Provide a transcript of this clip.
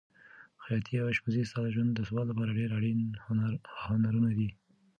خیاطي او اشپزي ستا د ژوند د ثبات لپاره ډېر اړین هنرونه دي.